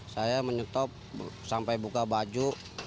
saya menyetop sampai buka baju